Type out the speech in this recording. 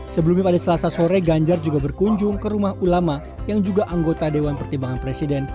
sebelumnya pada selasa sore ganjar juga berkunjung ke rumah ulama yang juga anggota dewan pertimbangan presiden